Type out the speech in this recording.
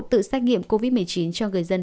tự xét nghiệm covid một mươi chín cho người dân